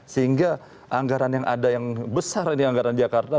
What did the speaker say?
sehingga anggaran yang ada yang besar ini anggaran jakarta